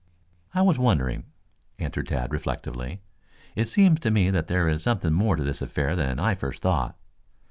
"I was wondering," answered Tad reflectively. "It seems to me that there is something more to this affair than I first thought.